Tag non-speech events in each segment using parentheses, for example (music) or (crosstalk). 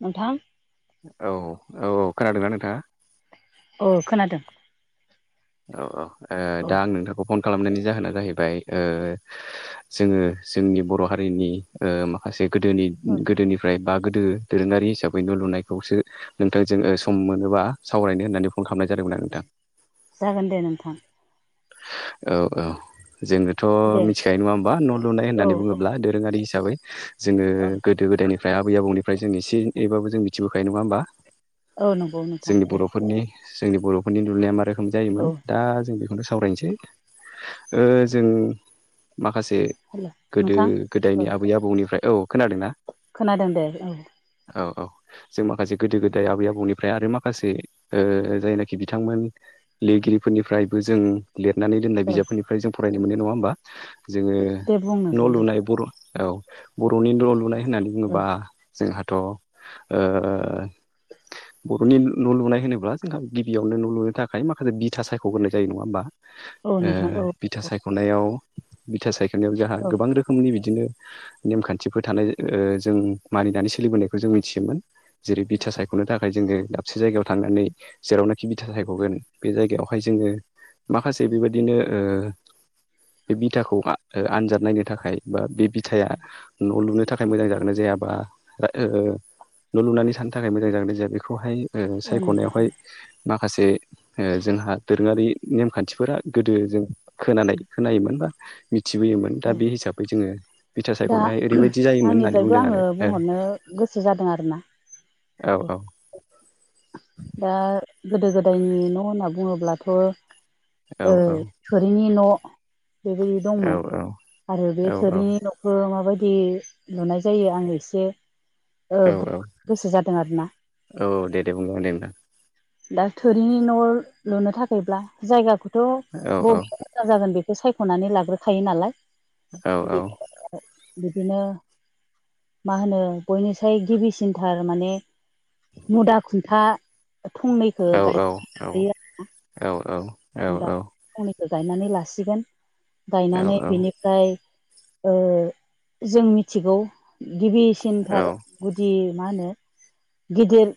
नोंथां औ औ खोनादोंना नोंथाङा औ खोनादों औ औ ओ औ दा आं नोंथांखौ फन खालामनायनि जाहोना जाहैबाय ओ जोङो जोंनि बर' हारिनि ओ माखासे गोदोनि गोदोनिफ्राय बा गोदो दोरोङारि हिसाबै न' लुनायखौसो नोंथां जों ओ सम मोनोबा सावरायनो होननानै फन खालामनाय जादोंमोन आरो नोंथां जागोन दे नोंथां औ औ जोङोथ' दे मिथिखायो नङा होमबा न' लुनाय औ होननानै औ बुङोब्ला दोरोङारि हिसाबै जोङो औ गोदो गोदायनिफ्राय आबै आबौनिफ्राय जों एसे एनैबाबो जों मिथिबोखायो नङा होमबा औ नंगौ नोंथां जोंनि उम बर'फोरनि जोंनि बर'फोरनि न' लुनाया मा रोखोम जायोमोन दा जों बे- बेखौनो सावरायनोसै ओ जों माखासे ओ हेल' गोदो नोंथां गोदायनि औ आबै आबौनिफ्राय औ खोनादोंना खोनादों दे औ औ औ जों माखासे गोदो गोदाय आबै आबौनिफ्राय आरो माखासे ओ जायनाखि बिथांमोन लि लिरगिरिफोरनिफ्रायबो जों लिरनानै दोननाय औ बिजाबफोरनिफ्राय जों फरायनो मोनो नङा होमबा जोङो दे बुं न' नोंथां दे लुनाय बर' औ बर'नि न' लुनाय होननानै औ बुङोबा जोंहाथ' औ बर'नि न' लुनाय होनोब्ला जोंहा गिबियावनो न' लुनो थाखाय माखासे बिथा सायख'ग्रोनाय जायो नङा होमबा औ नोंथां ओ औ बिथा सायख'नायाव बिथा सायख'नायाव जोंहा औ गोबां रोखोमनि बिदिनो नेमखान्थिफोर थानाय ओ जों मानिनानै सोलिबोनायखौ जों मोनथियोमोन जेरै बिथा सायख'नो थाखाय जोङो दाबसे जायगायाव थांनानै जेरावनोखि बिथा सायख'गोन बे जायगायाव बेवहाय जोङो माखासे बेबायदिनो ओ बे बिथाखौ ओ आनजाद नायनो थाखाय बा बे बिथाया न' लुनो थाखाय मोजां जागोनाय जाया बा ओ न' लुनानै थानो थाखाय मोजां जागोना जाया बेखौहाय ओ औ नोंथां सायख'नायावहाय औ माखासे ओ जोंहा दोरोङारि नेमखान्थिफोरा गोदो जों खोनानाय खोनायोमोन बा मिथिबोयोमोन दा बे हिसाबै जोङो बिथा दा सायख'नायाव ओरैबायदि जायोमोन होननानै आंनिफ्रायबो बुंदों आङो आरो बुंहरनो गोसो जादों आरो ना औ औ दा गोदो गोदायनि न' होनना बुङोब्लाथ' औ थोरिनि न' बेबायदि औ दंमोन आरो बे औ थोरिनि न'खौ माबायदि लुनाय जायो आङो एसे ओ औ औ गोसो जादों आरोना औ दे दे बुंलांगोन दे नोंथां दा थोरिनि न' लुनो थाखायब्ला जायगाखौथ' औ बबे मोजां जागोन बे बेखौ सायख'नानै लाग्रोखायो नालाय औ औ बिदिनो मा होनो बयनिसाय गिबिसिनथार माने मुदा खुन्था फंनैखौ औ औ गायो औ औ आरो ना (unintelligible) गायनानै लासिगोन औ गायनानै बिनिफ्राय जों मिथिगौ गिबिसिनथार गुदि मा होनो गिदिर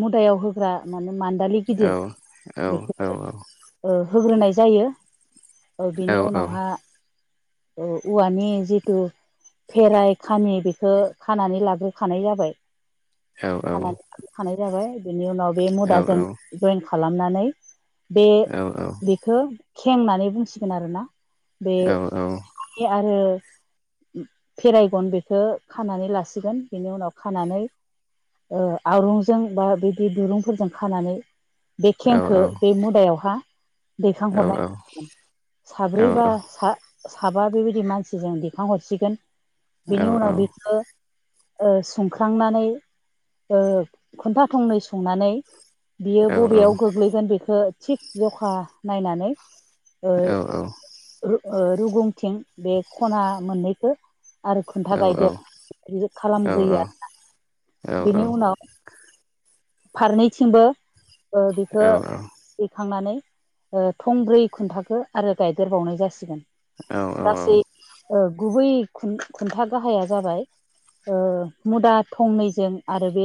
मुदायाव होग्रा माने मान्दालि गिदिर बेखौ होग्रोनाय जायो बेनि उनावहा औवानि जिथु फेराय खानि बेखौ खानानै लाग्रोखानाय जाबाय थानाय जाबाय बिनि उनाव बे मुदाजों जयेन खालाम खालामनानै बे बेखौ खें होननानै बुंसिगोन आरोना बे औ औ आरो फेराय गन बेखौ खानानै लासिगोन बेनि उनाव खानानै आरंजों बा बिदि दुरुंफोरजों खानानै बे खेंखो बे मुदायावहा दैखांहरनाय साब्रै बा सा साबा बेबायदि मानसि जों दिखांहरसिगोन औ बेनि औ औ उनाव बेखौ संख्रांनानै खुन्था थंनै संनानै बियो औ नंगौ बबेयाव गोग्लैगोन बेखौ थिग जखा नायनानै ओ औ औ रुगुंथिं बे खना मोननैखौ आरो खुन्था गायदेर बि खालामग्रोयो बेनि उनाव फारनैथिंबो बेखौ थुखांनानै थंब्रै खुन्थाखो आरो गायदेरबावनाय जासिगोन गासै गुबै खुन्था गाहाया जाबाय मुदा थंनैजों आरो बे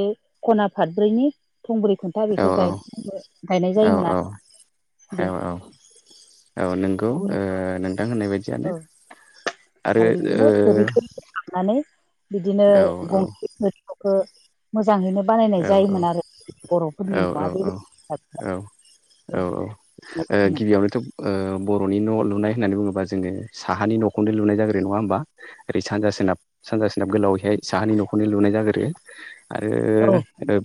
खना फादब्रैनि थंब्रै खुन्था बेखौ गायनाय जायोमोन आरो दे औ नोंगौ नोंथां जानो औ आरो बिदिनो थोरिफोरखौ लांनानै बिदिनो औ गंसेफोर (unintelligible) मोजाङैनो बानायनाय औ जायोमोन आरो औ बर'फोरनि न'आ बेबायदि औ औ औ ओ गिबियावनोथ' ओ बर'नि न' लुनाय होननानै बुङोबा जोङो साहानि न'खौनो लुनाय जाग्रो नङा होमबा ओरै सानजा सोनाब सानजा सोनाब गोलावैहाय साहानि न'खौनो लुनाय जागोरो आरो औ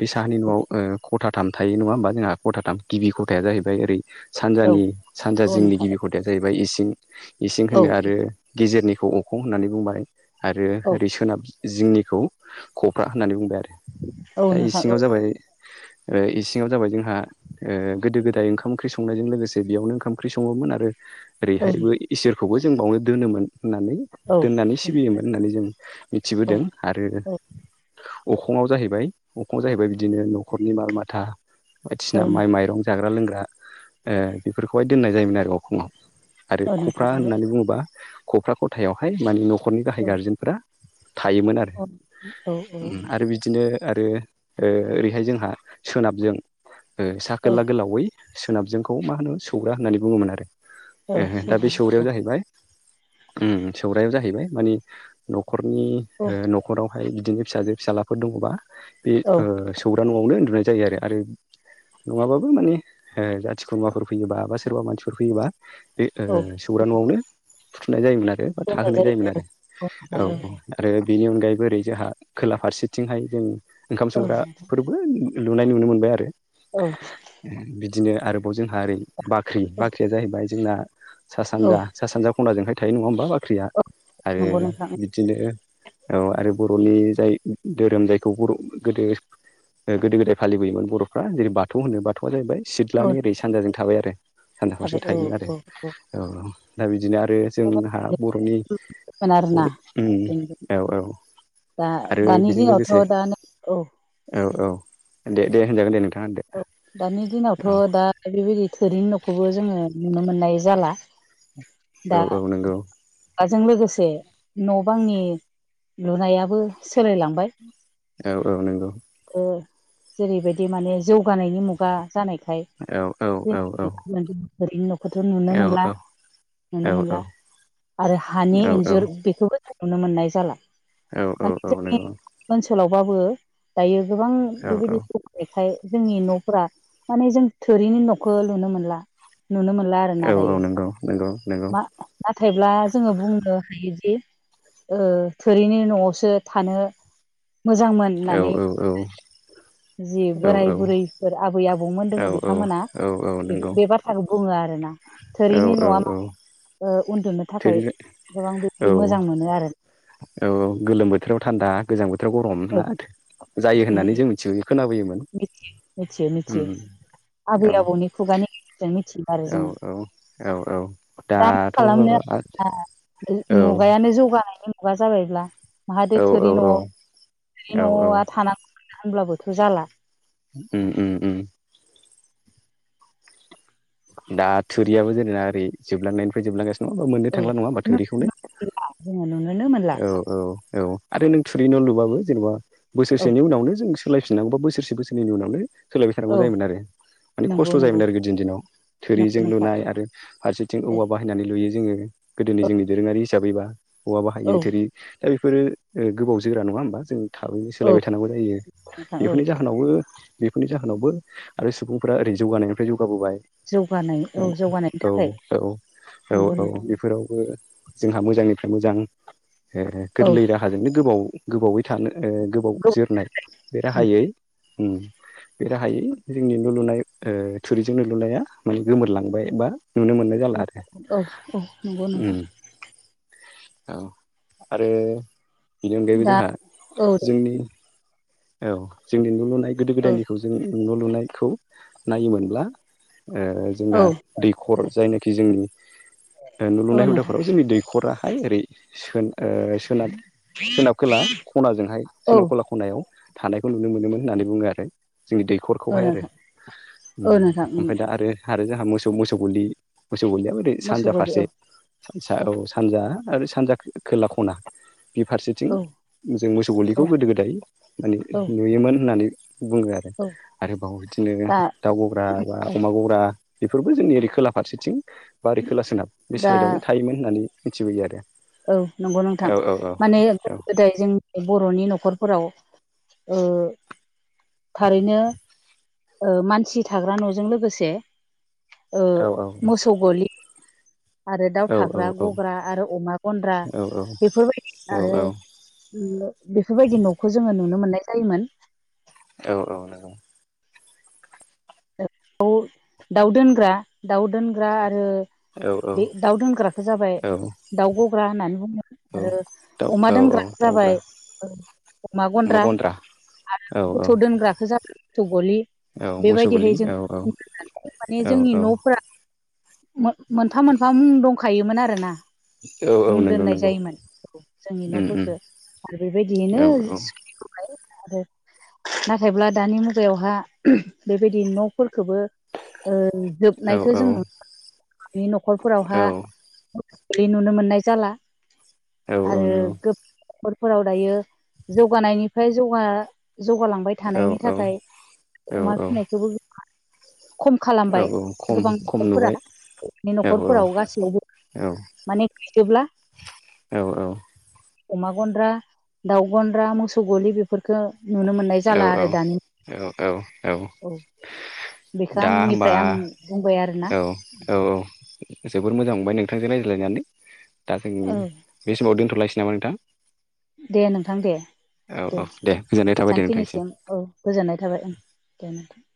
बे साहानि न'आव खथाथाम थायो नङा होमबा जोंहा खथाथाम गिबि खथाय जाहैबाय ओरै। औ सानजानि सानजा औ जिंनि नोंथां गिबि खथाया जाहैबाय इसिं इसिं औ होननो आरो गेजेरनि खौ अखं होननानै बुंबाय आरो औ ओरै सोनाब जिंनिखौ खफ्रा होननानै बुंबाय आरो औ दा नोंथां औ इसिङाव जाबाय ओ इसिङाव जाबाय जोंहा ओ गोदो गोदाय ओंखाम ओंख्रि संनायजों लोगोसे बेयावनो ओंखाम ओंख्रि सङोमोन आरो औ ओरैहायबो इसोरखौबो जों बावनो दोनोमोन होननानै दोननानै सिबियोमोन होननानै जों औ मिथिबोदों आरो औ अखङाव जाहैबाय अखङाव जाहैबाय बिदिनो न'खरनि माल माथा बायदिसिना माइ माइरं जाग्रा लोंग्रा ओ बेफोरखौहाय दोननाय जायोमोन आरो अखङाव आरो औ नोंथां खफ्रा औ होननानै बुङोला खफ्रा खथायावहाय माने न'खरनि औ गाहाय गारजेनफोरा थायोमोन आरो औ औ उम औ आरो बिदिनो आरो ओ ओरैहाय जोंहा सोनाबजों ओ सा औ खोला गोलावै सोनाबजोंखौ मा होनो सौरा होननानै बुङोमोन आरो औ दा बे सनानै औ सौरायाव जाहैबाय ओम सौरायाव जाहैबाय मानि न'खरनि ओ न'खराव फाय बिदिनो फिसाजो फिसालाफोर दङबा बे औ सौरा न'आवनो उन्दुनाय जायो आरो आरो नङाबाबो माने ओ जाथि खुरमाफोर फैयोबा बा सोरबा मानसिफोर फैयोबा बे औ ओ सौरा न'आवनो नाय जायोमोन आरो बा दोननाय थाहोनाय जायो जायोमोन आरो औ आरो बेनि अनगायैबो ओरै जाहा खोला फारसेथिंहाय जों ओंखाम संग्राफोरबो लुनाय नुनो मोनबाय आरो औ दिनो आरोबाव जोंहा ओरै बाख्रि बाख्रिया जाहैबाय जोंना सा औ सानजा सा सानजा खनाजोंहाय थायो नङा होमबा बाख्रिया औ आरो नंगौ नोंथां बिदिनो औ आरो बर'नि जाय दोरोम जाय खौ बर' गोदो ओ गोदो गोदाय फालिबोयोमोन बर'फ्रा जेरै बाथौ होनो बाथौआ जाहैबाय औ सिथ्लानो ओरै सानजाजों थाबाय आरो सानजा फारसे थाबाय औ थायोमोन आरो औ दा बिदिनो आरो जोंहा बर'नि लोगोमोन औ आरोना ओम जों औ औ दा आरो दानि बेजों लोगोसे दिनावथ' दा औ औ औ दे दे होनजागोन दे नोंथा औ दानि दिनावथ' दा बेबायदि थोरिनि न'खौबो जोङो नुनो मोननाय जाला औ औ नोंगौ हाजों लोगोसे न' बांनि लुनायाबो सोलायलांबाय औ औ नोंगौ ओ जेरैबायदि माने जौगानायनि मुगा जानाय खाय औ औ औ औ (unintelligible) खौथ' नुनो औ मोनला नुनो औ मोनला आरो हानि औ औ नंगौ इन्जुर बेखौबो नुनो मोननाय जाला औ औ औ नंगौ सोलावबाबो दायो गोबां बेबायदि (unintelligible) जोंनि न'फोरा माने जों थोरिनि न'खो लुनो मोनला नुनो मोनला आरोना औ औ दायो नंगौ नंगौ नंगौ मा नाथायब्ला जोङो बुंनो हायोदि। थोरिनि न'आवसो थानो। मोजांमोन औ होननानै औ औ जि औ बोराय बुरैफोर आबै आबौ। औ दोङ बिथांमोना औ औ नंगौ बे बाथ्राखौ बुङो आरो। आरोना औ थोरिनि औ न'आ औ मा। उन्दुनो थाखाय थोरि गोबां बिदि औ मोजां मोनो आरो। औ गोलोम बोथोराव थान्दा गोजां बोथोराव। औ गरमना जायो होननानै जों मिथिगौ खोनाबोयोमोन मिथियो मिथियो मिथियो उम आबै औ आबौनि खुगानि गेजेरजों मिथियो आरो औ जोङो औ औ दा मा दाथ' औ खालामनो औ मुगायानो जौगानायनि मुगा जाबायब्ला माहादो औ थोरि न'आव थोरि औ औ न'आव थानांगौ होमब्लाबोथ' जाला ओम ओम ओम दा थुरियाबो जेनेबा ओरै जोबलांनायनिफ्राय जोबलांगासिनो नङा होनबा मोननो औ थांला नङा बा थोरिखौनो जोङो नुनोनो मोनला औ औ औ आरो नों थुरि न' लुबाबो जेनेबा औ बोसोरसेनि उनावनो जों सो लायफिनांगौबा बोसोरसे बोसननि उनावनो सोलायबाय थानांगौ औ जायोमोन आरो मानानि नंगौ खसथ' नंगौ जायोमोन आरो गोदोनि दिनाव नंगौ थोरिजों नोंथां लुनाय आरो फारसेथिं औ औवा बाहायनानै लुयो जोङो गोदोनि जोंनि दोरोङारि हिसाबैबा औवा बाहायो औ थोरि दा बेफोरो गोबाव जोरा नङा होमबा जों थाबैनो औ सोलायबाय थानांगौ जायो नंगौ नोंथां औ बेफोरनि जाहोनावबो बेफोरनि जाहोनावबो आरो सुबुंफोरा ओरै जौगानायनिफ्राय जौगाबोबाय औ जौगानाय औ जौगानायनि औ थाखाय औ औ नंगौ औ नोंथां बेफोरावबो जोंहा मोजांनिफ्राय मोजां ओ गोरलै राहाजोंनो गोबाव गोबावै थानो ओ गोबाव औ जोरनाय बे राहायै ओम बे गाहायै जोंनि नु लुनाय ओ थुरिजों न' लुनाया माने गोमोरलांबाय बा नुनो मोननाय जाला आरो औ नंगौ नोंथां ओम औ आरो बेनि अनगायैबो दा जोंहा औ जोंनि औ जोंनि न' लुनाय गोदो औ गोदायनिखौ जों न' लुनायखौ नायोमोनब्ला ओ जोंहा औ दैखर जायनाखि जोंनि औ नुलुनाय नोंथां हुदाफोराव जोंनि दैख'रा हाय ओरै सोन सोनाब सोनाब खोला ख'नाजोंहाय औ सोनाब खोला ख'नायाव थानायखौ नुनो मोनोमोन होननानै बुङो आरो जोंनि औ दैखरखौहाय आरो नोंथां औ ओम नोंथां ओमफ्राय दा आरो आरो जोंहा मोसौ मोसौ गलि मोसौ ग'लिया ओरै मोसौ सानजा गलि फारसे औ औ सानजा आरो सानजा खोला ख'ना बे फारसेथिं औ जों मोसौ गलिखौ औ गोदो गोदाय माने औ नुयोमोन होननानै बुङो आरो औ आरोबाव बिदिनो दा दाउ ग'ग्रा बा अमा ग'ग्रा बेफोरबो जोंनि ओरै खोला फारसेथिं बा ओरै खोला सोनाब बे दा साइडयावनो थायोमोन होननानै मिथिबोयो आरो औ नंगौ औ नोंथां औ माने गोदो गोदाय जोंनि बर'नि न'खर फोराव ओ थारैनो ओ मानसि थाग्रा न'जों लोगोसे ओ मोसौ गलि आरो दाउ औ औ थाग्रा औ ग'ग्रा आरो अमा गनद्रा औ बेफोरबायदि आरो औ बेफोरबायदि न'खौ जोङो नुनो मोननाय जायोमोन औ औ नंगौ दाउ दोनग्रा दाउ दोनग्रा आरो औ औ बे दाउ दोनग्रखौ जाबाय औ दाउ ग'ग्रा होननानै बुङो आरो दाउ औ अमा औ दोनग्रा दाउ गग्रा जाबाय अमा गनद्रा आरो मोसौ दोनग्राखौ जादों मोसौ ग'लि औ मोसौ बेबायदि गलि हाय जों औ माने जोंनि औ औ न'फोरा मोनफा मोनफा मुं दंखायोमोन आरोना औ औ मुं नंगौ दोननाय नंगौ जायोमोन जोंनि उम उम न'फोरखौ आरो औ बेबायदियैनो सकुलखौहाय (unintelligible) आरो नाथायब्ला दानि मुगायावहा बेबायदि न'फोर खौबो ओ औ जोबनायखौ जों नुनो नि (unintelligible) न'खरफोरावहा औ बे नुनो मोननाय जाला औ औ आरो नंगौ गोब फोराव दायो जौगानायनिफ्राय जौगा जौगालांबाय औ थानायनि औ थाखाय अमा औ औ फिनायखौबो खम खालामबाय खम गोबां खम न'खरफोरा नुबाय औ न'खरफोराव गासैयावबो औ माने थाजोब्ला औ औ अमा गन्द्रा दाउ गन्द्रा मोसौ ग'लि बेफोरफोरखो औ औ औ औ औ बेखौ दा होमबा आंनिफ्राय आं बुंबाय आरोना औ औ औ जोबोर मोजां मोनबाय नोंथांजों रायज्लायनानै दा जों औ बे समाव दोनथ'लाय निसै नामा नोंथां दे नोंथां दे औ औ दे गोजोननाय थाबाय दे नोंथां निसिम औ गोजोननाय थाबाय ओं दे नोंथां